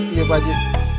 iya pak ji